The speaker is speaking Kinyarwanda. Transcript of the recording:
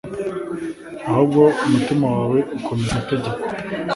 Ahubwo umutima wawe ukomeze amategeko